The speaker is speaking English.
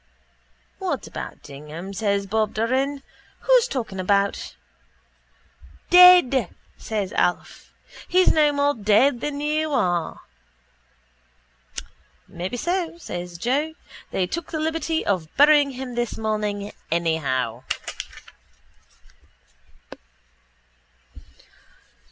—What about Dignam? says Bob Doran. Who's talking about...? —Dead! says Alf. He's no more dead than you are. —Maybe so, says Joe. They took the liberty of burying him this morning anyhow.